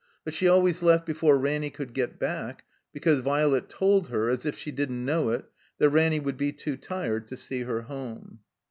But she always left before Ranny cotild get back, because Violet told her (as if she didn't know it) that Ranny would be too tired to see her home.